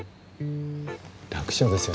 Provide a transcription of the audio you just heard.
楽勝ですよ。